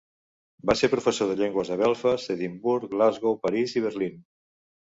Va ser professor de llengües a Belfast, Edimburg, Glasgow, París i Berlín.